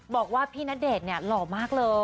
บอกว่าพี่ณเดชน์เนี่ยหล่อมากเลย